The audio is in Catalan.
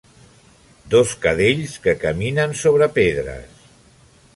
Dos cadells que caminen sobre pedres.